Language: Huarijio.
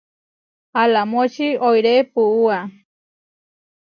Alamóči oirépua.